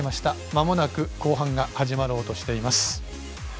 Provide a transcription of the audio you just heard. まもなく、後半が始まろうとしています。